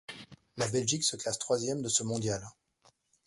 La Belgique se classe troisième de ce mondial.